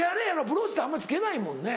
ブローチってあんまり着けないもんね。